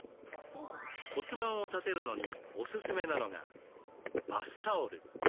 骨盤を立てるのにおすすめなのがバスタオル。